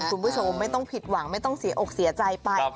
คุณผู้ชมไม่ต้องผิดหวังไม่ต้องเสียอกเสียใจไป